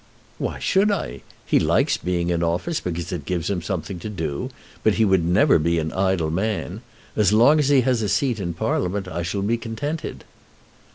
"Why should I? He likes being in office because it gives him something to do; but he would never be an idle man. As long as he has a seat in Parliament, I shall be contented."